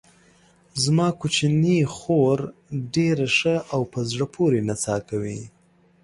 زما کوچنۍ خور ډېره ښه او په زړه پورې نڅا کوي.